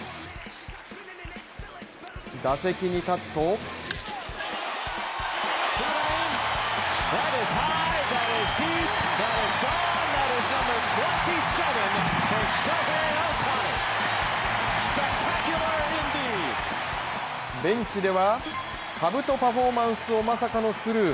打席に立つとベンチではかぶとパフォーマンスをまさかのスルー。